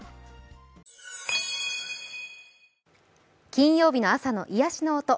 金曜日の朝の癒しの音